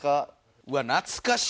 うわ懐かしい！